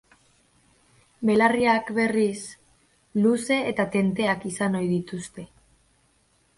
Belarriak, berriz, luze eta tenteak izan ohi dituzte.